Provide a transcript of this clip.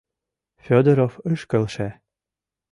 Фёдоров ыш келше.